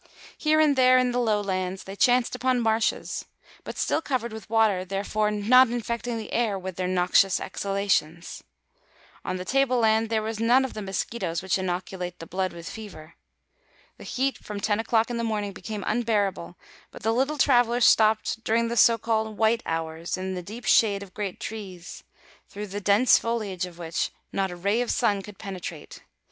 Here and there in the low lands they chanced upon marshes, but still covered with water, therefore not infecting the air with their noxious exhalations. On the table land there were none of the mosquitoes which inoculate the blood with fever. The heat from ten o'clock in the morning became unbearable but the little travelers stopped during the so called "white hours" in the deep shade of great trees, through the dense foliage of which not a ray of the sun could penetrate.